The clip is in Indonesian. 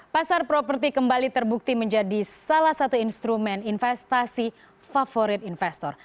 pasar properti kembali terbukti menjadi salah satu instrumen investasi favorit investor